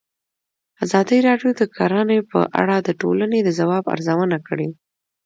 ازادي راډیو د کرهنه په اړه د ټولنې د ځواب ارزونه کړې.